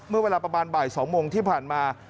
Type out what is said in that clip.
เมื่อเวลาประมาณบ่าย๒โมงที่ผ่านมา